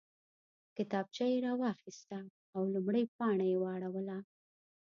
کتابچه یې راواخیسته او لومړۍ پاڼه یې واړوله